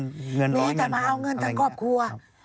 อะไรแบบนี้นะนี้จะมาเอาเงินทั้งครอพครัว